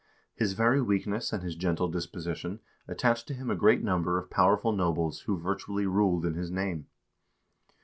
His very weakness and his gentle disposition attached to him a great number of powerful nobles who virtually ruled in his name.